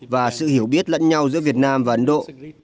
và sự hiểu biết lẫn nhau giữa việt nam và ấn độ